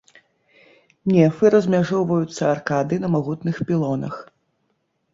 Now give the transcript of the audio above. Нефы размяжоўваюцца аркадай на магутных пілонах.